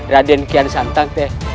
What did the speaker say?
raden kian santang teh